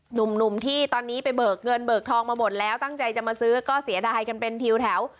หนุ่มที่ตอนนี้ไปเบิกเงินเบิกทองมาหมดแล้วตั้งใจจะมาซื้อก็เสียดายกันเป็นทิวแถว